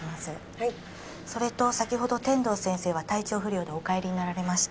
はいそれと先ほど天堂先生は体調不良でお帰りになられました